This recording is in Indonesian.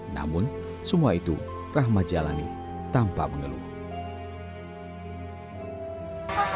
namun semua itu rahmat jalani tanpa mengeluh